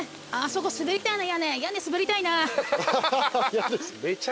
あそこ滑りたいな屋根。